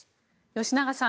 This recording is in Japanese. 吉永さん